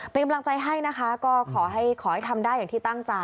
เป็นกำลังใจให้นะคะก็ขอให้ขอให้ทำได้อย่างที่ตั้งใจ